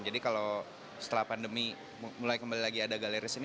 jadi kalau setelah pandemi mulai kembali lagi ada galeri seni